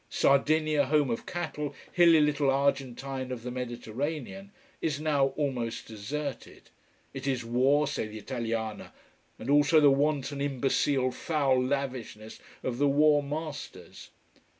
Sardinia, home of cattle, hilly little Argentine of the Mediterranean, is now almost deserted. It is war, say the Italiana. And also the wanton, imbecile, foul lavishness of the war masters.